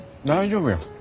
大丈夫や。